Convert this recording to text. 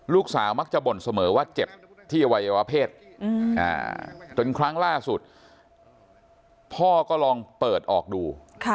ลูกสาวมักจะบ่นเสมอว่าเจ็บที่อวัยวะเพศจนครั้งล่าสุดพ่อก็ลองเปิดออกดู